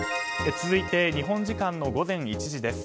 続いて日本時間の午前１時です。